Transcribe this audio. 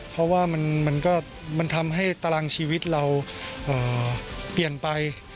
เพราะว่ามันก็มันทำให้ตารางชีวิตเราเปลี่ยนไป